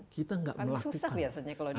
kita enggak melakukan